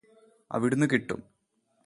അവിടുന്ന് കിട്ടും